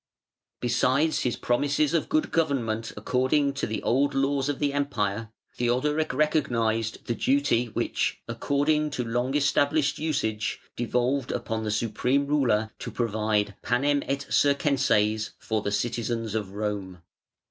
Besides his promises of good government according to the old laws of Empire, Theodoric recognised the duty which, according to long established usage, devolved upon the supreme ruler to provide "panem et circenses" for the citizens of Rome.